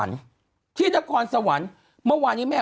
คุณหนุ่มกัญชัยได้เล่าใหญ่ใจความไปสักส่วนใหญ่แล้ว